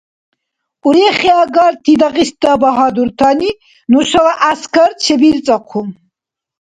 Урехиагарти Дагъиста багьадуртани нушала гӀяскар чебирцӀахъу.